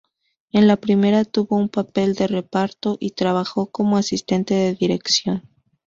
En la primera tuvo un papel de reparto y trabajó como asistente de dirección.